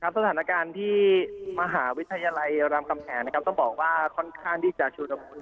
สถานการณ์ที่มหาวิทยาลัยรามคำแหงต้องบอกว่าค่อนข้างที่จะชุดละมุน